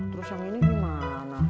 terus yang ini gimana